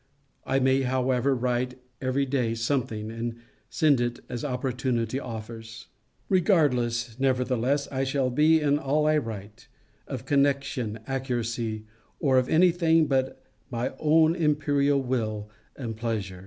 I may, however, write every day something, and send it as opportunity offers. Regardless, nevertheless, I shall be in all I write, of connection, accuracy, or of any thing but of my own imperial will and pleasure.